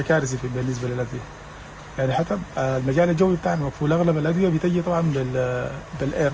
antara pasukan paramiliter dan pasukan paramiliter